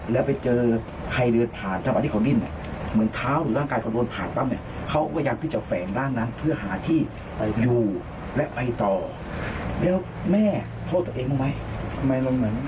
แล้วแม่ก็เห็นผีแต่แม่ไม่ทำพิธีแก้ทำไม